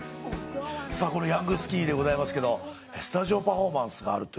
このヤングスキニーですがスタジオパフォーマンスがあると。